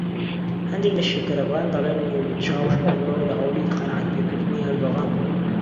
هەندێک لە شیکەرەوەکان دەڵێن مەولود چاوشئۆغڵو لە هەوڵی قەناعەتپێکردنی ئەردۆغان بووە